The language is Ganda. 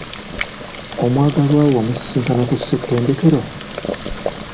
Omwagalwawo wamusisinkana ku ssettendekero?